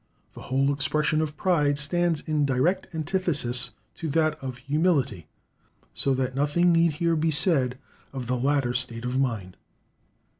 The whole expression of pride stands in direct antithesis to that of humility; so that nothing need here be said of the latter state of mind.